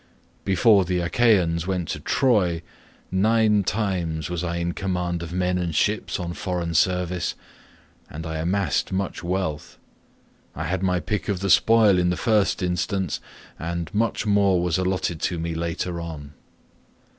Before the Achaeans went to Troy, nine times was I in command of men and ships on foreign service, and I amassed much wealth. I had my pick of the spoil in the first instance, and much more was allotted to me later on.